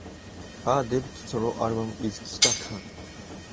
Her debut solo album is "Kita Kan".